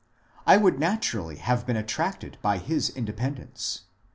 I would naturally have been attracted by his independence.